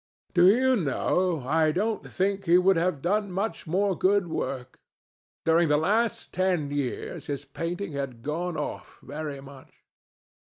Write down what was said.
Do you know, I don't think he would have done much more good work. During the last ten years his painting had gone off very much."